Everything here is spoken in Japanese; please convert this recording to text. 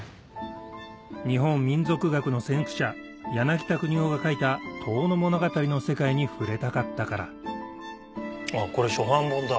日本民俗学の先駆者柳田國男が書いた『遠野物語』の世界に触れたかったからあっこれ初版本だ。